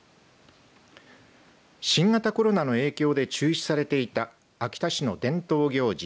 新型コロナの影響で中止されていた秋田市の伝統行事